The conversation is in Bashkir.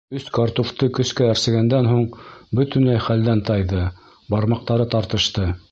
Өс картуфты көскә әрсегәндән һуң бөтөнләй хәлдән тайҙы, бармаҡтары тартышты.